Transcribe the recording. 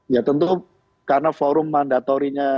ya tentu karena forum mandatorinya